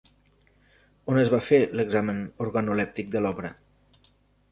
On es va fer l'examen organolèptic de l'obra?